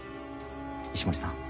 石森さん